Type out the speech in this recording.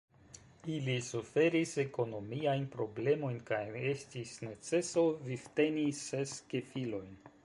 Ili suferis ekonomiajn problemojn, kaj estis neceso vivteni ses gefilojn.